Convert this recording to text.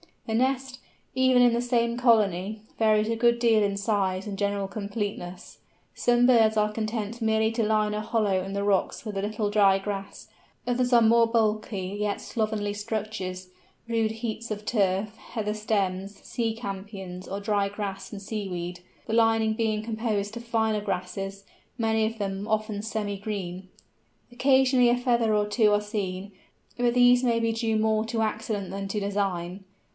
The nest, even in the same colony, varies a good deal in size and general completeness. Some birds are content merely to line a hollow in the rocks with a little dry grass; others are more bulky yet slovenly structures, rude heaps of turf, heather stems, sea campions, or dry grass and sea weed, the lining being composed of finer grasses, many of them often semi green. Occasionally a feather or two are seen, but these may be due more to accident than to design.